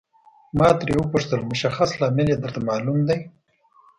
ما ترې وپوښتل مشخص لامل یې درته معلوم دی.